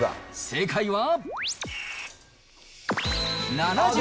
正解は。